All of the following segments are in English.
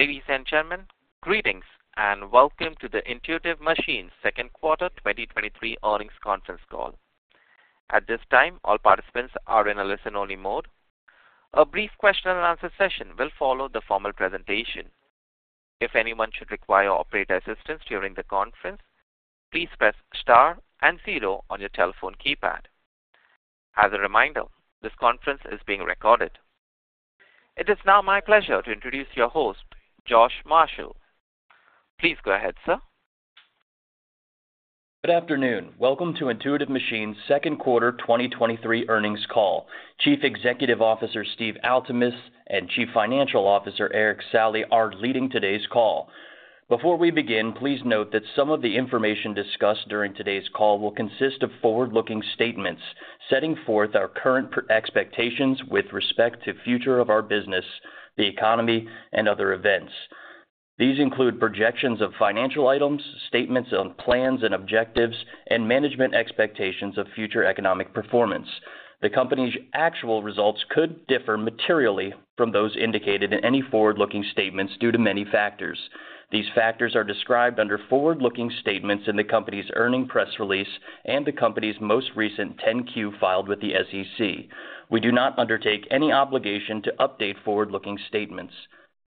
Ladies and gentlemen, greetings, and welcome to the Intuitive Machines Second Quarter 2023 Earnings Conference Call. At this time, all participants are in a listen-only mode. A brief question-and-answer session will follow the formal presentation. If anyone should require operator assistance during the conference, please press star and zero on your telephone keypad. As a reminder, this conference is being recorded. It is now my pleasure to introduce your host, Josh Marshall. Please go ahead, sir. Good afternoon. Welcome to Intuitive Machines' Second Quarter 2023 Earnings Call. Chief Executive Officer, Steve Altemus, and Chief Financial Officer, Erik Sallee, are leading today's call. Before we begin, please note that some of the information discussed during today's call will consist of forward-looking statements, setting forth our current expectations with respect to future of our business, the economy, and other events. These include projections of financial items, statements on plans and objectives, and management expectations of future economic performance. The company's actual results could differ materially from those indicated in any forward-looking statements due to many factors. These factors are described under forward-looking statements in the company's earnings press release and the company's most recent 10-Q filed with the SEC. We do not undertake any obligation to update forward-looking statements.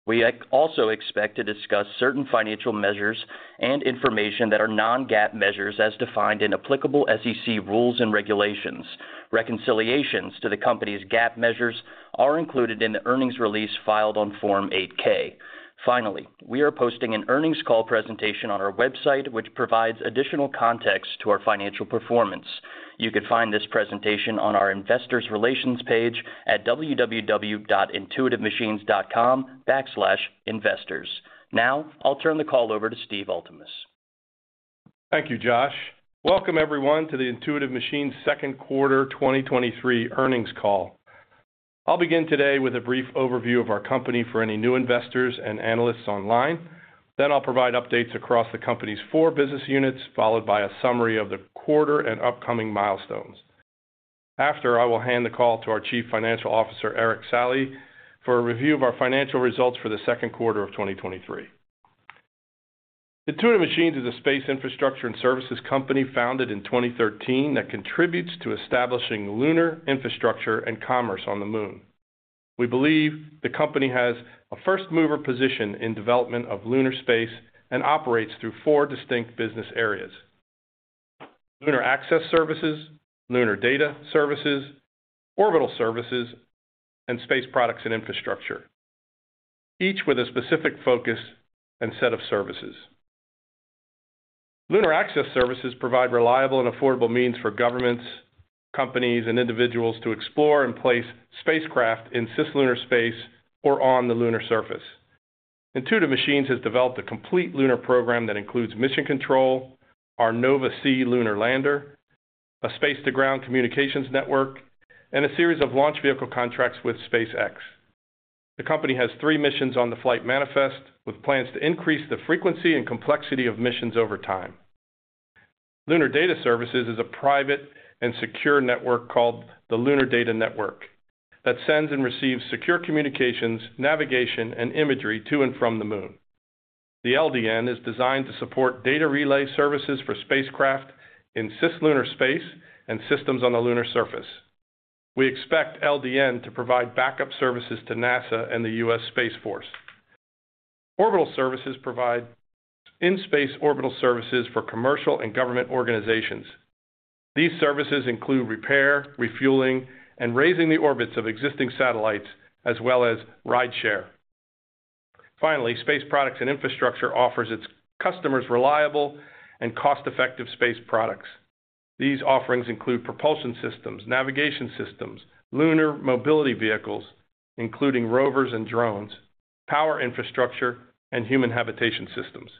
We also expect to discuss certain financial measures and information that are non-GAAP measures, as defined in applicable SEC rules and regulations. Reconciliations to the company's GAAP measures are included in the earnings release filed on Form 8-K. Finally, we are posting an earnings call presentation on our website, which provides additional context to our financial performance. You can find this presentation on our Investors Relations page at www.intuitivemachines.com/investors. Now, I'll turn the call over to Steve Altemus. Thank you, Josh. Welcome, everyone, to the Intuitive Machines Second Quarter 2023 Earnings Call. I'll begin today with a brief overview of our company for any new investors and analysts online. I'll provide updates across the company's four business units, followed by a summary of the quarter and upcoming milestones. After, I will hand the call to our Chief Financial Officer, Erik Sallee, for a review of our financial results for the second quarter of 2023. Intuitive Machines is a space infrastructure and services company founded in 2013 that contributes to establishing lunar infrastructure and commerce on the Moon. We believe the company has a first-mover position in development of lunar space and operates through four distinct business areas: Lunar Access Services, Lunar Data Services, Orbital Services, and Space Products and Infrastructure, each with a specific focus and set of services. Lunar Access Services provide reliable and affordable means for governments, companies, and individuals to explore and place spacecraft in cislunar space or on the lunar surface. Intuitive Machines has developed a complete lunar program that includes mission control, our Nova-C lunar lander, a space-to-ground communications network, and a series of launch vehicle contracts with SpaceX. The company has three missions on the flight manifest, with plans to increase the frequency and complexity of missions over time. Lunar Data Services is a private and secure network called the Lunar Data Network that sends and receives secure communications, navigation, and imagery to and from the Moon. The LDN is designed to support data relay services for spacecraft in cislunar space and systems on the lunar surface. We expect LDN to provide backup services to NASA and the US Space Force. Orbital Services provide in-space orbital services for commercial and government organizations. These services include repair, refueling, and raising the orbits of existing satellites, as well as rideshare. Finally, Space Products and Infrastructure offers its customers reliable and cost-effective space products. These offerings include propulsion systems, navigation systems, lunar mobility vehicles, including rovers and drones, power infrastructure, and human habitation systems.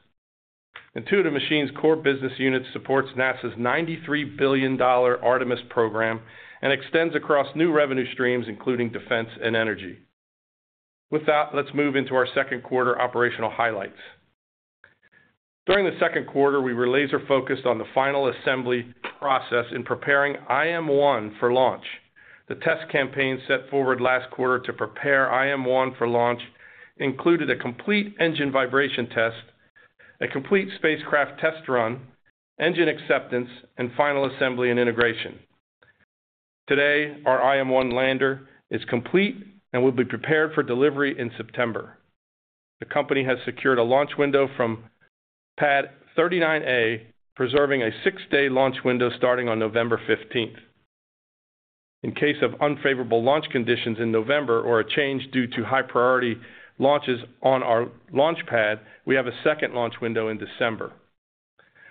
Intuitive Machines' core business unit supports NASA's $93 billion Artemis program and extends across new revenue streams, including defense and energy. With that, let's move into our second quarter operational highlights. During the second quarter, we were laser-focused on the final assembly process in preparing IM-1 for launch. The test campaign set forward last quarter to prepare IM-1 for launch included a complete engine vibration test, a complete spacecraft test run, engine acceptance, and final assembly and integration. Today, our IM-1 lander is complete and will be prepared for delivery in September. The company has secured a launch window from Pad 39A, preserving a six-day launch window starting on 15 November 2023. In case of unfavorable launch conditions in November or a change due to high priority launches on our launch pad, we have a second launch window in December.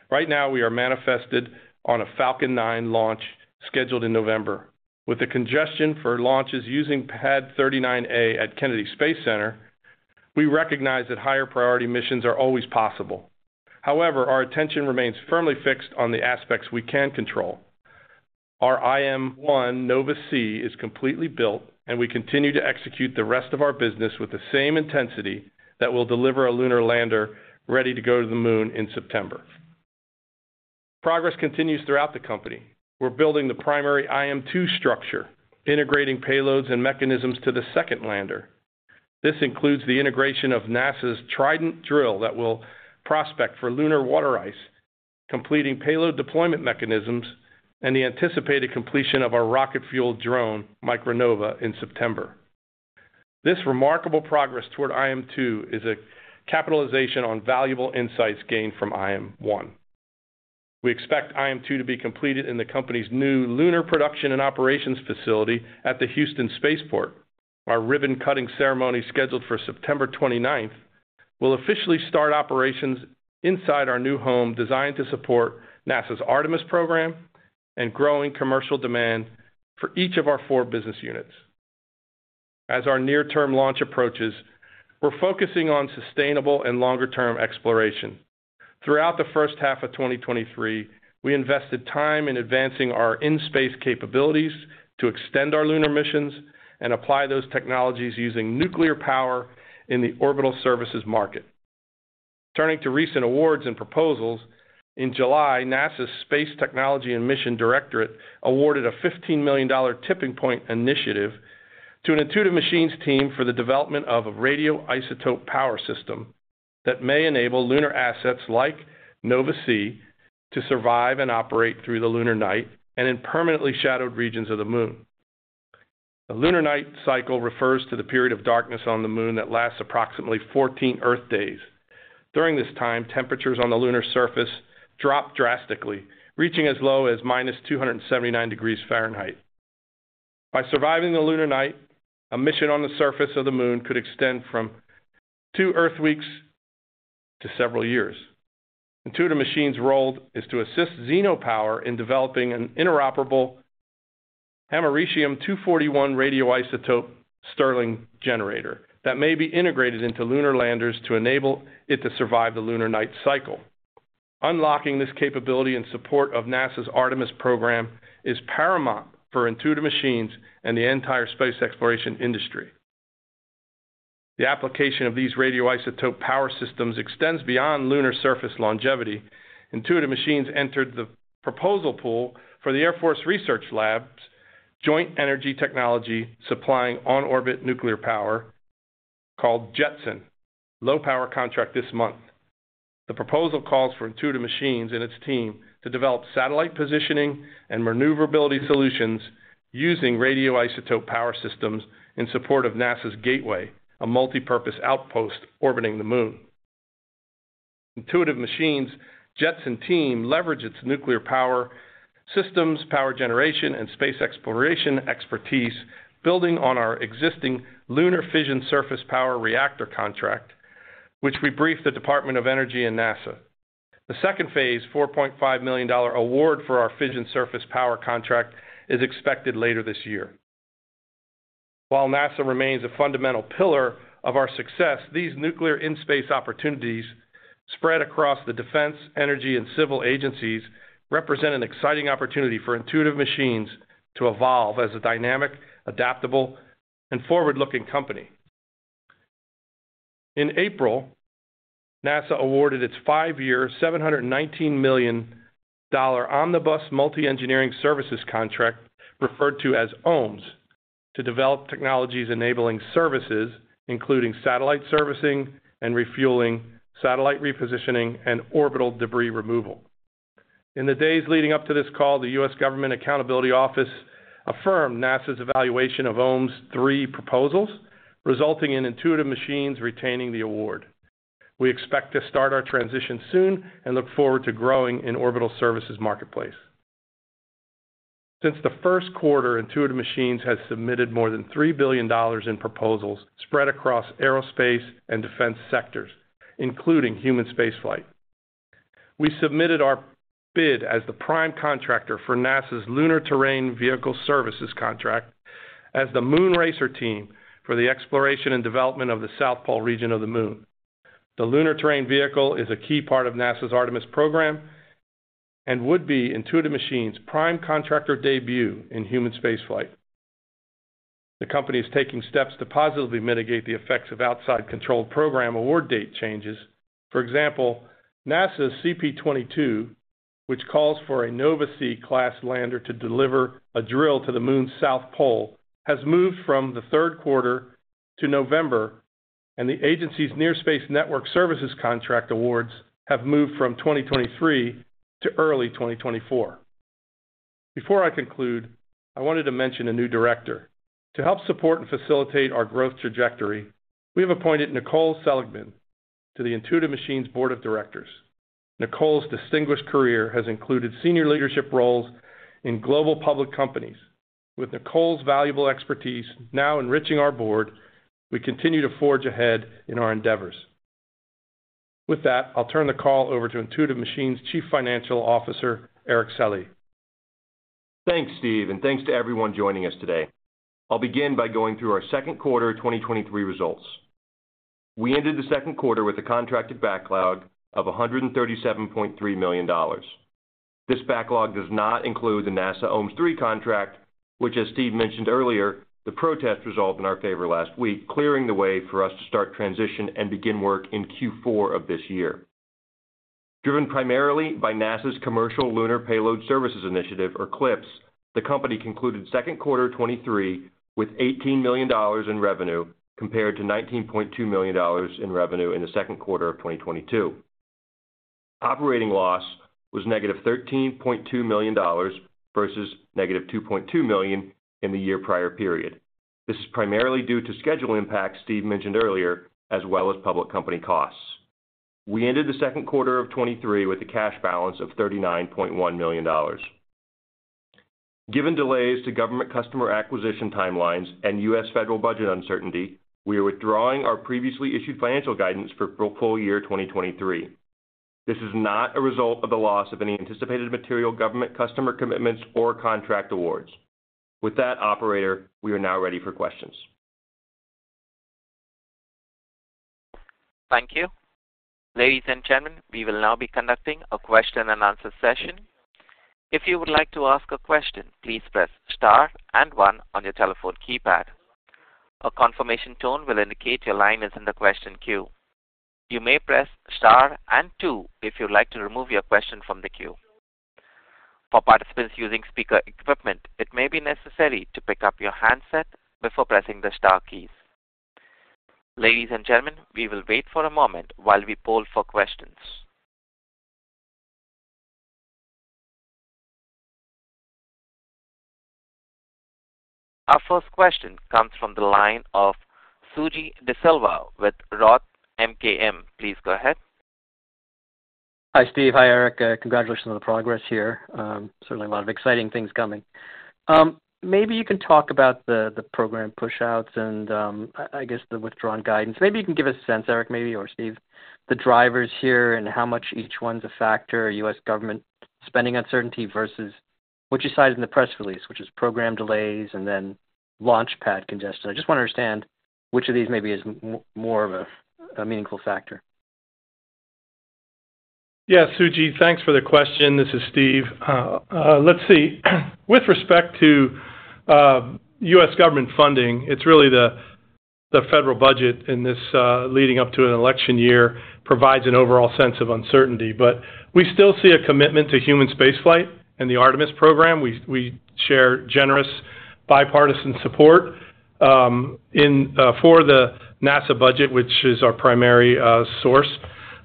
Right now, we are manifested on a Falcon 9 launch scheduled in November. With the congestion for launches using Pad 39A at Kennedy Space Center, we recognize that higher priority missions are always possible. However, our attention remains firmly fixed on the aspects we can control. Our IM-1 Nova-C is completely built, and we continue to execute the rest of our business with the same intensity that will deliver a lunar lander ready to go to the Moon in September. Progress continues throughout the company. We're building the primary IM-2 structure, integrating payloads and mechanisms to the second lander. This includes the integration of NASA's TRIDENT drill that will prospect for lunar water ice, completing payload deployment mechanisms, and the anticipated completion of our rocket-fueled drone, Micro-Nova, in September. This remarkable progress toward IM-2 is a capitalization on valuable insights gained from IM-1. We expect IM-2 to be completed in the company's new lunar production and operations facility at the Houston Spaceport. Our ribbon-cutting ceremony, scheduled for 29 September 2023, will officially start operations inside our new home, designed to support NASA's Artemis program and growing commercial demand for each of our four business units. As our near-term launch approaches, we're focusing on sustainable and longer-term exploration. Throughout the first half of 2023, we invested time in advancing our in-space capabilities to extend our lunar missions and apply those technologies using nuclear power in the Orbital Services market. Turning to recent awards and proposals, in July, NASA's Space Technology Mission Directorate awarded a $15 million Tipping Point initiative to an Intuitive Machines team for the development of a Radioisotope Power System that may enable lunar assets like Nova-C to survive and operate through the lunar night and in permanently shadowed regions of the Moon. The lunar night cycle refers to the period of darkness on the Moon that lasts approximately 14 Earth days. During this time, temperatures on the lunar surface drop drastically, reaching as low as -279 degrees Fahrenheit. By surviving the lunar night, a mission on the surface of the Moon could extend from two Earth weeks to several years. Intuitive Machines' role is to assist Zeno Power in developing an interoperable amErikium-241 radioisotope Stirling generator that may be integrated into lunar landers to enable it to survive the lunar night cycle. Unlocking this capability in support of NASA's Artemis program is paramount for Intuitive Machines and the entire space exploration industry. The application of these radioisotope power systems extends beyond lunar surface longevity. Intuitive Machines entered the proposal pool for the Air Force Research Laboratory's Joint Energy Technology Supplying On-Orbit Nuclear Power, called JETSON, low-power contract this month. The proposal calls for Intuitive Machines and its team to develop satellite positioning and maneuverability solutions using radioisotope power systems in support of NASA's Gateway, a multipurpose outpost orbiting the Moon. Intuitive Machines' JETSON team leverage its nuclear power systems, power generation, and space exploration expertise, building on our existing lunar Fission Surface Power reactor contract, which we briefed the US Department of Energy and NASA. The second phase, $4.5 million award for our Fission Surface Power contract, is expected later this year. While NASA remains a fundamental pillar of our success, these nuclear in-space opportunities, spread across the defense, energy, and civil agencies, represent an exciting opportunity for Intuitive Machines to evolve as a dynamic, adaptable, and forward-looking company. In April, NASA awarded its five-year, $719 million Omnibus Multidiscipline Engineering Services contract, referred to as OMES, to develop technologies enabling services, including satellite servicing and refueling, satellite repositioning, and orbital debris removal. In the days leading up to this call, the US Government Accountability Office affirmed NASA's evaluation of OMES's three proposals, resulting in Intuitive Machines retaining the award. We expect to start our transition soon and look forward to growing in Orbital Services marketplace. Since the first quarter, Intuitive Machines has submitted more than $3 billion in proposals spread across aerospace and defense sectors, including human spaceflight. We submitted our bid as the prime contractor for NASA's Lunar Terrain Vehicle Services contract as the Moon RACER team for the exploration and development of the South Pole region of the Moon. The lunar terrain vehicle is a key part of NASA's Artemis program and would be Intuitive Machines' prime contractor debut in human spaceflight. The company is taking steps to positively mitigate the effects of outside controlled program award date changes. For example, NASA's CP-22, which calls for a Nova-C-class lander to deliver a drill to the Moon's South Pole, has moved from the third quarter to November, and the agency's Near Space Network Services contract awards have moved from 2023 to early 2024. Before I conclude, I wanted to mention a new director. To help support and facilitate our growth trajectory, we have appointed Nicole Seligman to the Intuitive Machines Board of Directors. Nicole's distinguished career has included senior leadership roles in global public companies. With Nicole's valuable expertise now enriching our board, we continue to forge ahead in our endeavors. With that, I'll turn the call over to Intuitive Machines' Chief Financial Officer, Erik Sallee. Thanks, Steve, and thanks to everyone joining us today. I'll begin by going through our second quarter 2023 results. We ended the second quarter with a contracted backlog of $137.3 million. This backlog does not include the NASA OMES III contract which, as Steve mentioned earlier, the protest resolved in our favor last week, clearing the way for us to start transition and begin work in fourth quarter of this year. Driven primarily by NASA's Commercial Lunar Payload Services Initiative, or CLPS, the company concluded second quarter 2023 with $18 million in revenue compared to $19.2 million in revenue in the second quarter of 2022. Operating loss was -$13.2 million versus -$2.2 million in the year prior period. This is primarily due to schedule impacts Steve mentioned earlier, as well as public company costs. We ended the second quarter of 2023 with a cash balance of $39.1 million. Given delays to government customer acquisition timelines and US federal budget uncertainty, we are withdrawing our previously issued financial guidance for full year 2023. This is not a result of the loss of any anticipated material government customer commitments or contract awards. With that, operator, we are now ready for questions. Thank you. Ladies and gentlemen, we will now be conducting a question-and-answer session. If you would like to ask a question, please press Star and one on your telephone keypad. A confirmation tone will indicate your line is in the question queue. You may press Star and two if you'd like to remove your question from the queue. For participants using speaker equipment, it may be necessary to pick up your handset before pressing the star keys. Ladies and gentlemen, we will wait for a moment while we poll for questions. Our first question comes from the line of Suji Desilva with Roth MKM. Please go ahead. Hi, Steve. Hi, Erik. Congratulations on the progress here. Certainly a lot of exciting things coming. Maybe you can talk about the, the program pushouts and, I guess, the withdrawn guidance. Maybe you can give us a sense, Erik, maybe, or Steve, the drivers here and how much each one's a factor, US government spending uncertainty versus what you cited in the press release, which is program delays and then launch pad congestion. I just want to understand which of these maybe is more of a, a meaningful factor. Yeah, Suji, thanks for the question. This is Steve. Let's see. With respect to US government funding, it's really the, the federal budget in this leading up to an election year provides an overall sense of uncertainty. We still see a commitment to human space flight and the Artemis program. We, we share generous bipartisan support in for the NASA budget, which is our primary source.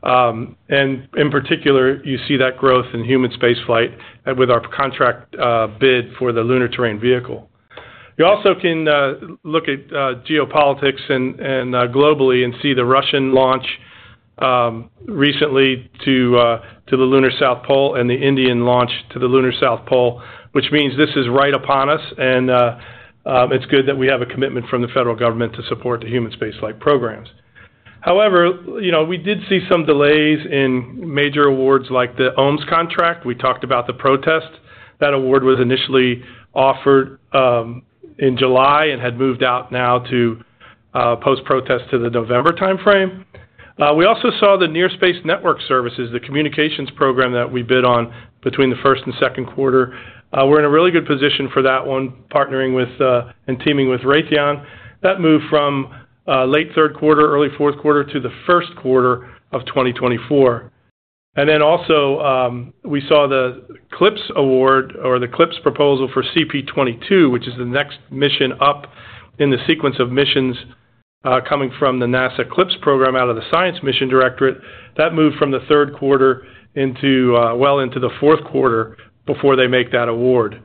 In particular, you see that growth in human space flight with our contract bid for the Lunar Terrain Vehicle. You also can look at geopolitics and, and globally and see the Russian launch recently to the lunar South Pole and the Indian launch to the lunar South Pole, which means this is right upon us, and it's good that we have a commitment from the federal government to support the human space life programs. You know, we did see some delays in major awards like the OMES contract. We talked about the protest. That award was initially offered in July and had moved out now to post-protest to the November time frame. We also saw the Near Space Network Services, the communications program that we bid on between the first and second quarter. We're in a really good position for that one, partnering with and teaming with Raytheon. That moved from late 3rd quarter, early 4th quarter to the 1st quarter of 2024. We saw the CLPS award or the CLPS proposal for CP-22, which is the next mission up in the sequence of missions coming from the NASA CLPS program out of the Science Mission Directorate. That moved from the 3rd quarter into well into the 4th quarter before they make that award.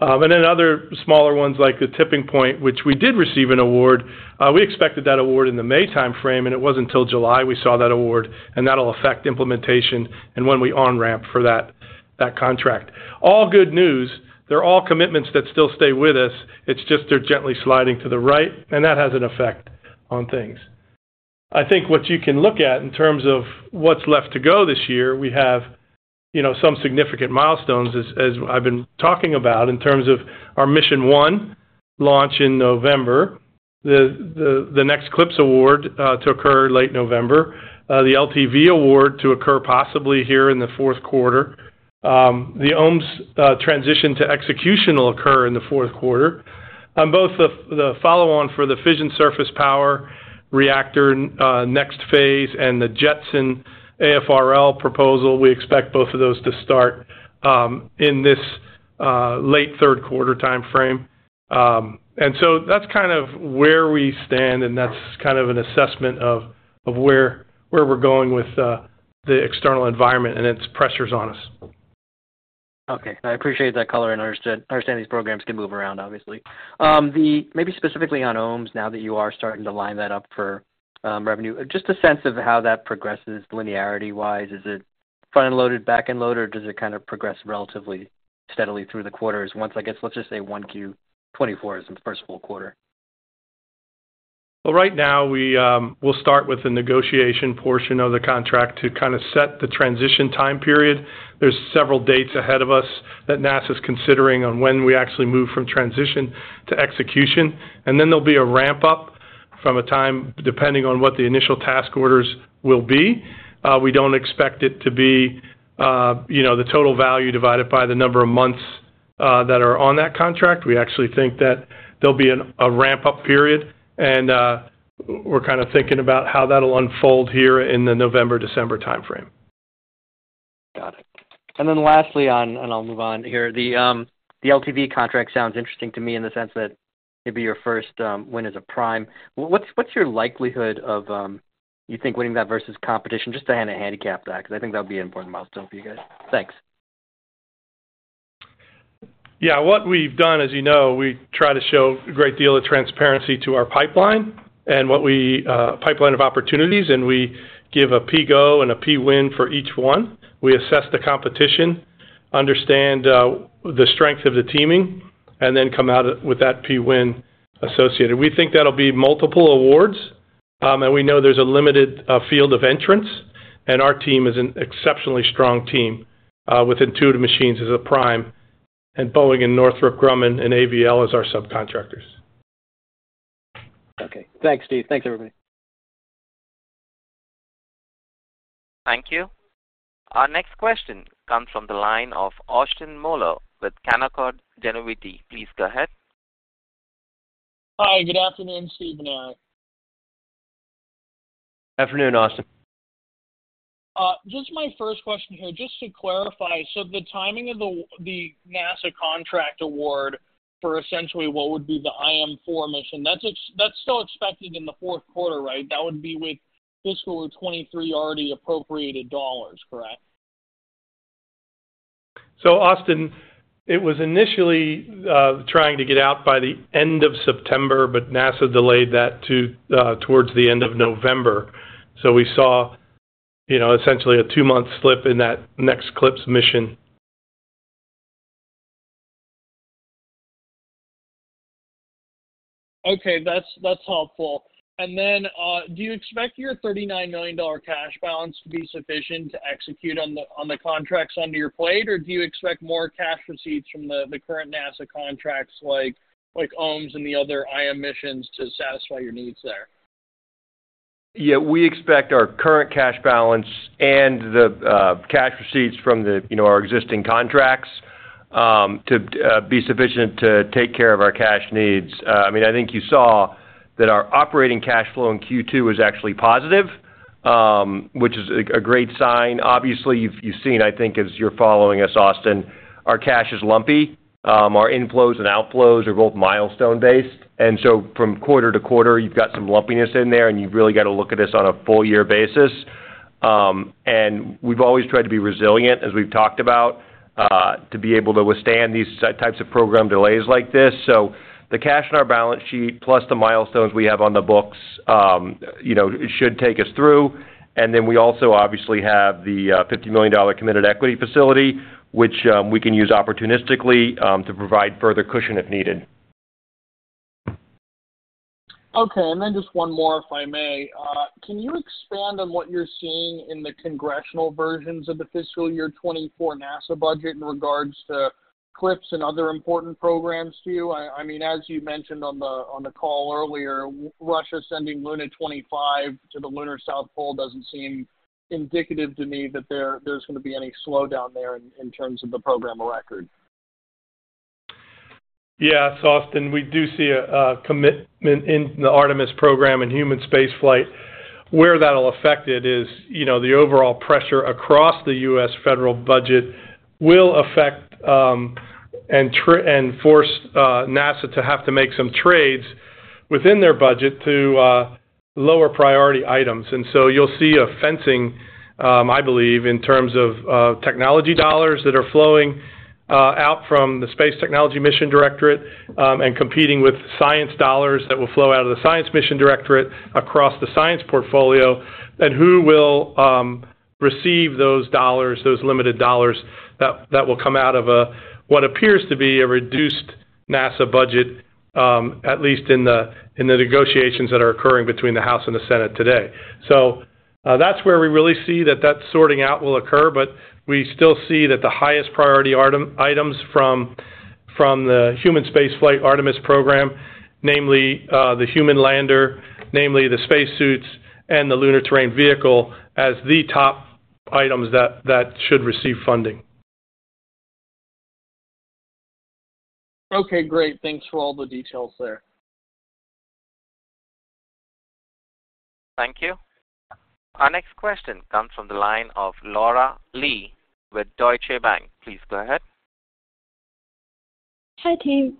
Smaller ones, like the Tipping Point, which we did receive an award. We expected that award in May, and it wasn't until July we saw that award, and that'll affect implementation and when we on ramp for that, that contract. All good news. They're all commitments that still stay with us. It's just they're gently sliding to the right, and that has an effect on things. I think what you can look at in terms of what's left to go this year, we have, you know, some significant milestones, as, as I've been talking about, in terms of our Mission One launch in November, the, the, the next CLPS award, to occur late November, the LTV award to occur possibly here in the fourth quarter. The OMES transition to execution will occur in the fourth quarter. Both the, the follow-on for the Fission Surface Power Reactor next phase, and the JETSON AFRL proposal, we expect both of those to start in this late third-quarter time frame. That's kind of where we stand, and that's kind of an assessment of, of where, where we're going with the external environment and its pressures on us. Okay, I appreciate that color and understand, understand these programs can move around, obviously. maybe specifically on OMES, now that you are starting to line that up for revenue, just a sense of how that progresses linearity-wise. Is it front-end loaded, back-end load, or does it kind of progress relatively steadily through the quarters? Once, I guess, let's just say first quarter 2024 is the first full quarter. Well, right now, we will start with the negotiation portion of the contract to kind of set the transition time period. There's several dates ahead of us that NASA's considering on when we actually move from transition to execution, and then there'll be a ramp-up. From a time, depending on what the initial task orders will be, we don't expect it to be, you know, the total value divided by the number of months that are on that contract. We actually think that there'll be a ramp-up period, and we're kind of thinking about how that'll unfold here in the November, December timeframe. Got it. Lastly on, and I'll move on here. The LTV contract sounds interesting to me in the sense that it'd be your first win as a prime. What's, what's your likelihood of, you think, winning that versus competition? Just to kind of handicap that, because I think that would be an important milestone for you guys. Thanks. Yeah, what we've done, as you know, we try to show a great deal of transparency to our pipeline and what we, pipeline of opportunities, and we give a P-go and a P-win for each one. We assess the competition, understand, the strength of the teaming, and then come out with that P-win associated. We think that'll be multiple awards, and we know there's a limited, field of entrants, and our team is an exceptionally strong team, with Intuitive Machines as a prime, and Boeing and Northrop Grumman and AVL as our subcontractors. Okay. Thanks, Steve. Thanks, everybody. Thank you. Our next question comes from the line of Austin Moeller with Canaccord Genuity. Please go ahead. Hi, good afternoon, Steve and Mack. Afternoon, Austin. Just my first question here, just to clarify, so the timing of the NASA contract award for essentially what would be the IM-4 mission, that's that's still expected in the fourth quarter, right? That would be with fiscal 2023 already appropriated $, correct? Austin, it was initially, trying to get out by the end of September, but NASA delayed that to, towards the end of November. We saw, you know, essentially a two-month slip in that next CLPS mission. Okay. That's, that's helpful. Do you expect your $39 million cash balance to be sufficient to execute on the, on the contracts under your plate, or do you expect more cash receipts from the, the current NASA contracts like, like OMES and the other IM missions to satisfy your needs there? We expect our current cash balance and the cash receipts from the, you know, our existing contracts to be sufficient to take care of our cash needs. I mean, I think you saw that our operating cash flow in second quarter was actually positive, which is a great sign. Obviously, you've, you've seen, I think, as you're following us, Austin, our cash is lumpy. Our inflows and outflows are both milestone-based, and so from quarter to quarter, you've got some lumpiness in there, and you've really got to look at this on a full year basis. We've always tried to be resilient, as we've talked about, to be able to withstand these types of program delays like this. The cash on our balance sheet, plus the milestones we have on the books, you know, should take us through. We also obviously have the, $50 million committed equity facility, which, we can use opportunistically, to provide further cushion if needed. Okay, just one more, if I may. Can you expand on what you're seeing in the congressional versions of the fiscal year 2024 NASA budget in regards to CLPS and other important programs to you? I mean, as you mentioned on the call earlier, Russia sending Luna-25 to the lunar South Pole doesn't seem indicative to me that there's going to be any slowdown there in terms of the program of record. Yes, Austin, we do see a commitment in the Artemis program in human space flight. Where that'll affect it is, you know, the overall pressure across the US federal budget will affect and force NASA to have to make some trades within their budget to lower priority items. So you'll see a fencing, I believe, in terms of technology dollars that are flowing out from the Space Technology Mission Directorate and competing with science dollars that will flow out of the Science Mission Directorate across the science portfolio, and who will receive those dollars, those limited dollars, that will come out of a, what appears to be a reduced NASA budget, at least in the negotiations that are occurring between the House and the Senate today. That's where we really see that that sorting out will occur, but we still see that the highest priority item, items from, from the human space flight Artemis program, namely the human lander, namely the space suits and the lunar terrain vehicle, as the top items that, that should receive funding. Okay, great. Thanks for all the details there. Thank you. Our next question comes from the line of Laura Li with Deutsche Bank. Please go ahead. Hi, team.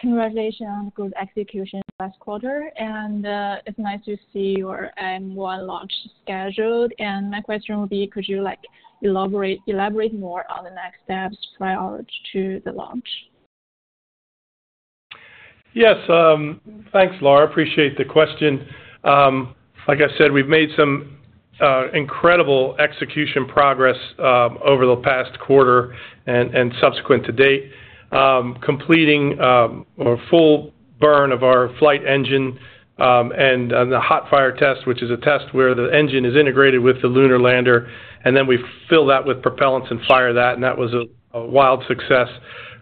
Congratulations on good execution last quarter, and it's nice to see your IM-1 launch scheduled. My question would be: Could you, like, elaborate, elaborate more on the next steps prior to the launch? Yes, thanks, Laura. Appreciate the question. Like I said, we've made some incredible execution progress over the past quarter and, and subsequent to date. Completing a full burn of our flight engine, and, and the hot fire test, which is a test where the engine is integrated with the lunar lander, and then we fill that with propellants and fire that, and that was a wild success.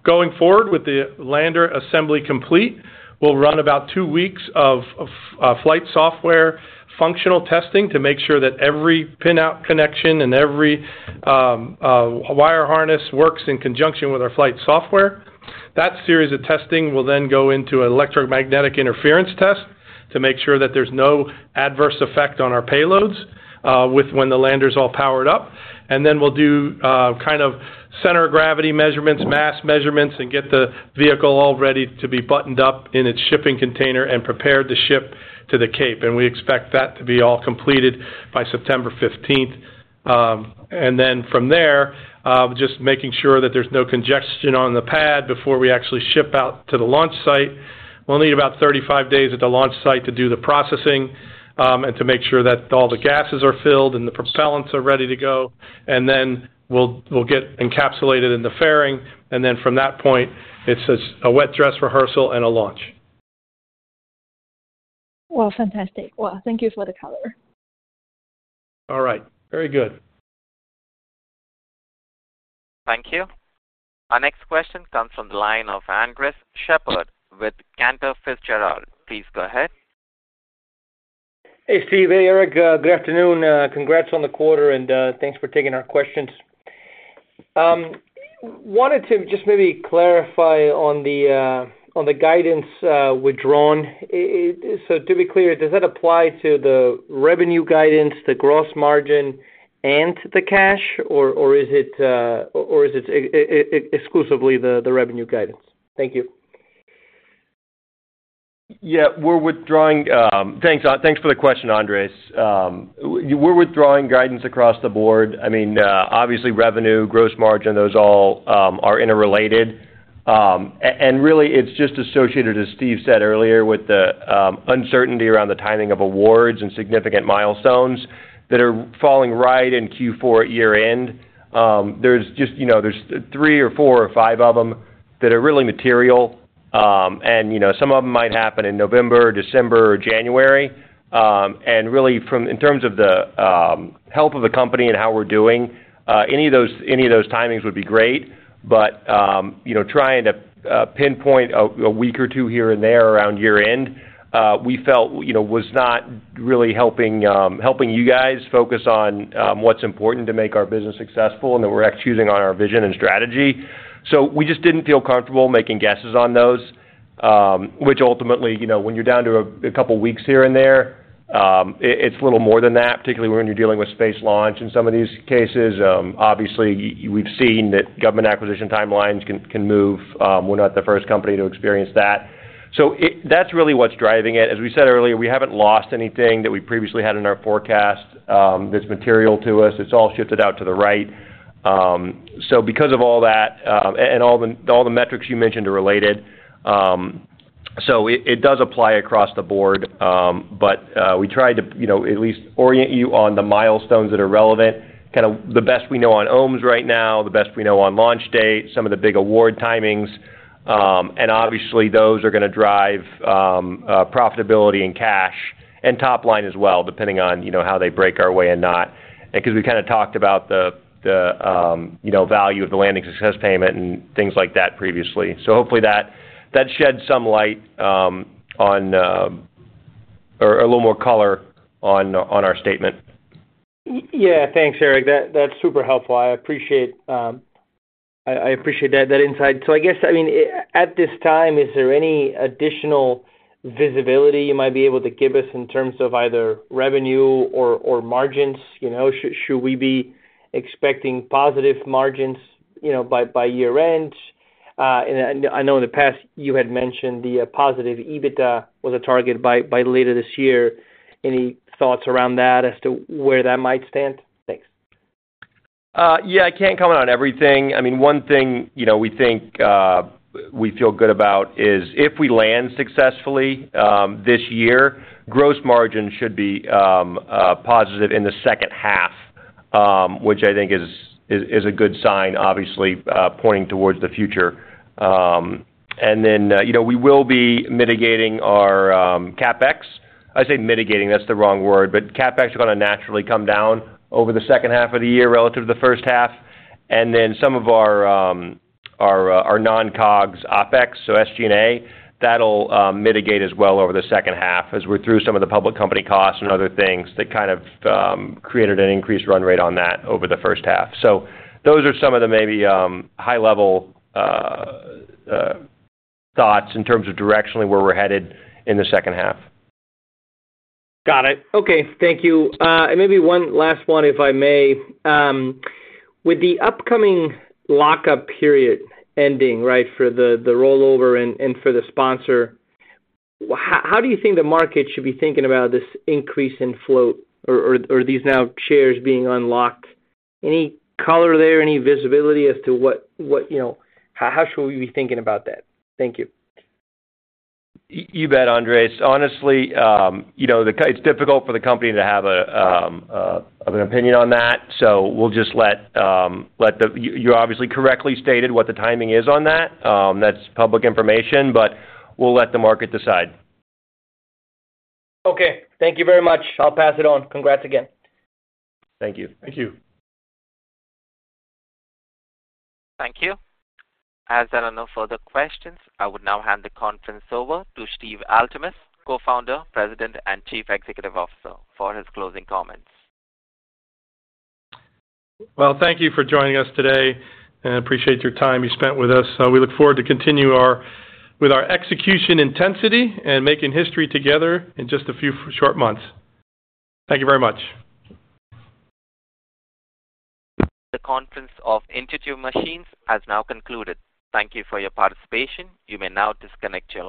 Going forward with the lander assembly complete, we'll run about two weeks of, of flight software functional testing to make sure that every pin out connection and every wire harness works in conjunction with our flight software. That series of testing will then go into an electromagnetic interference test to make sure that there's no adverse effect on our payloads, with when the lander is all powered up. Then we'll do, kind of center of gravity measurements, mass measurements, and get the vehicle all ready to be buttoned up in its shipping container and prepared to ship to the Cape. We expect that to be all completed by 15 September 2023. Then from there, just making sure that there's no congestion on the pad before we actually ship out to the launch site. We'll need about 35 days at the launch site to do the processing, and to make sure that all the gases are filled and the propellants are ready to go. Then we'll, we'll get encapsulated in the fairing, and then from that point, it's just a wet dress rehearsal and a launch. Well, fantastic. Well, thank you for the color. All right. Very good. Thank you. Our next question comes from the line of Andres Sheppard with Cantor Fitzgerald. Please go ahead. Hey, Steve. Hey, Erik. Good afternoon, congrats on the quarter, thanks for taking our questions. Wanted to just maybe clarify on the guidance withdrawn. To be clear, does that apply to the revenue guidance, the gross margin, and the cash, or is it exclusively the revenue guidance? Thank you. Yeah, we're withdrawing. Thanks, thanks for the question, Andres. We're withdrawing guidance across the board. I mean, obviously, revenue, gross margin, those all are interrelated. Really, it's just associated, as Steve said earlier, with the uncertainty around the timing of awards and significant milestones that are falling right in fourth quarter at year end. There's just, you know, there's three or four or five of them that are really material. You know, some of them might happen in November, December, or January. Really, from- in terms of the health of the company and how we're doing, any of those, any of those timings would be great, but, you know, trying to pinpoint a week or two here and there around year-end, we felt, you know, was not really helping, helping you guys focus on what's important to make our business successful, and that we're executing on our vision and strategy. We just didn't feel comfortable making guesses on those, which ultimately, you know, when you're down to a couple of weeks here and there, it, it's a little more than that, particularly when you're dealing with space launch in some of these cases. Obviously, we've seen that government acquisition timelines can, can move. We're not the first company to experience that. That's really what's driving it. As we said earlier, we haven't lost anything that we previously had in our forecast, that's material to us. It's all shifted out to the right. Because of all that, and all the, all the metrics you mentioned are related, it does apply across the board. We tried to, you know, at least orient you on the milestones that are relevant, kinda the best we know on OMES right now, the best we know on launch date, some of the big award timings, and obviously, those are gonna drive profitability and cash and top line as well, depending on, you know, how they break our way or not. Because we kinda talked about the, the, you know, value of the landing success payment and things like that previously. Hopefully that, that sheds some light, on, or a little more color on, on our statement. Yeah, thanks, Erik. That, that's super helpful. I appreciate, I, I appreciate that, that insight. I guess, I mean, at this time, is there any additional visibility you might be able to give us in terms of either revenue or, or margins? You know, should, should we be expecting positive margins, you know, by, by year-end? I know in the past you had mentioned the positive EBITDA was a target by, by later this year. Any thoughts around that as to where that might stand? Thanks. Yeah, I can't comment on everything. I mean, one thing, you know, we think, we feel good about is if we land successfully, this year, gross margin should be positive in the second half, which I think is, is, is a good sign, obviously, pointing towards the future. You know, we will be mitigating our CapEx. I say mitigating, that's the wrong word. CapEx are gonna naturally come down over the second half of the year relative to the first half. Some of our non-COGS OpEx, so SG&A, that'll mitigate as well over the second half as we're through some of the public company costs and other things that kind of created an increased run rate on that over the first half. Those are some of the maybe, high-level, thoughts in terms of directionally, where we're headed in the second half. Got it. Okay, thank you. Maybe one last one, if I may. With the upcoming lockup period ending, right, for the, the rollover and, and for the sponsor, how, how do you think the market should be thinking about this increase in float or these now shares being unlocked? Any color there, any visibility as to what, what, you know? How should we be thinking about that? Thank you. You bet, Andres. Honestly, you know, it's difficult for the company to have an opinion on that. We'll just let you, you obviously correctly stated what the timing is on that. That's public information. We'll let the market decide. Okay, thank you very much. I'll pass it on. Congrats again. Thank you. Thank you. Thank you. As there are no further questions, I would now hand the conference over to Steve Altemus, co-founder, president, and Chief Executive Officer, for his closing comments. Well, thank you for joining us today, and I appreciate your time you spent with us. We look forward to continue with our execution intensity and making history together in just a few short months. Thank you very much. The conference of Intuitive Machines has now concluded. Thank you for your participation. You may now disconnect your line.